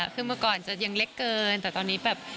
คือเมื่อก่อนจะยังเล็กเกินแต่ตอนนี้แบบ